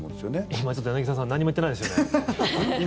今、柳澤さんなんにも言ってないですよね。